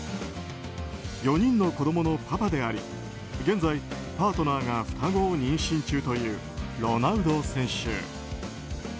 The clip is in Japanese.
４人の子供のパパであり現在、パートナーが双子を妊娠中というロナウド選手。